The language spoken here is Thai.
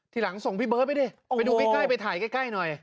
ทีหลังส่งพี่เบิร์ตไปดิไปดูใกล้ไปถ่ายใกล้หน่อย